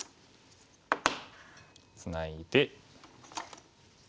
ツナいで。